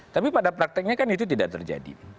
tapi pada prakteknya kan itu tidak terjadi